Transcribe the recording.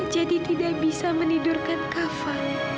jadi tidak bisa menidurkan kava